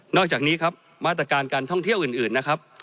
อกจากนี้ครับมาตรการการท่องเที่ยวอื่นนะครับ